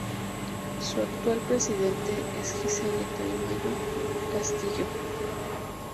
Su actual presidente es Giselle Tamayo Castillo.